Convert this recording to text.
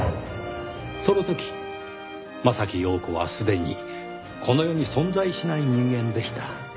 その時柾庸子はすでにこの世に存在しない人間でした。